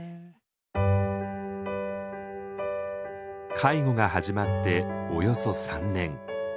介護が始まっておよそ３年。